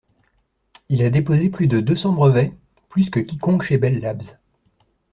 Il a déposé plus de deux cents brevets, plus que quiconque chez Bell Labs.